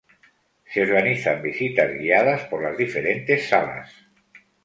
Se organizan visitas guiadas por las diferentes salas.